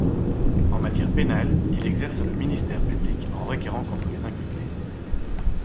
En matière pénale, il exerce le ministère public en requérant contre les inculpés.